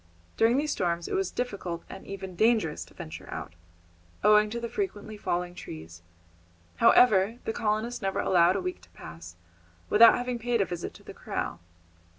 During these storms it was difficult and even dangerous to venture out, owing to the frequently falling trees; however, the colonists never allowed a week to pass without having paid a visit to the corral.